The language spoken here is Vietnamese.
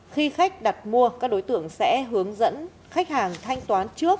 khi khách đặt mua các đối tượng sẽ hướng dẫn khách hàng thanh toán trước